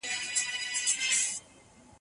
ستړیا د خوب اړتیا زیاتوي.